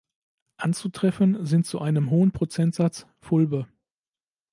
Anzutreffen sind zu einem hohen Prozentsatz, Fulbe.